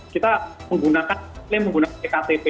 kita menggunakan klaim menggunakan ektp